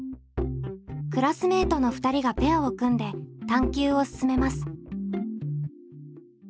クラスメートの２人がペアを組んで探究を進めます。